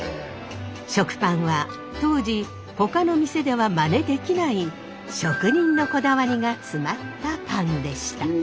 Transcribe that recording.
食パンは当時ほかの店ではまねできない職人のこだわりが詰まったパンでした。